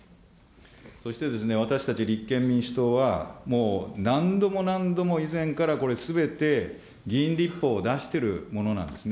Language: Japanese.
そして私たち立憲民主党は、もう何度も何度も以前からこれ、すべて議員立法を出してるものなんですね。